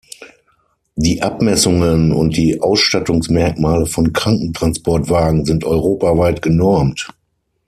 Die Abmessungen und die Ausstattungsmerkmale von Krankentransportwagen sind europaweit genormt.